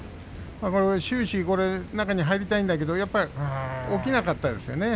終始中に入りたいんですけれども起きなかったですよね。